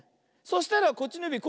そしたらこっちのゆび